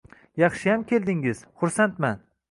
yaxshiyam keldingiz, xursandman.